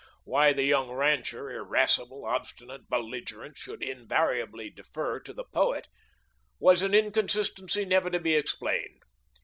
Why the young rancher, irascible, obstinate, belligerent, should invariably defer to the poet, was an inconsistency never to be explained.